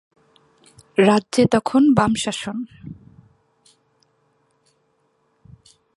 রাজ্যে তখন বাম-শাসন।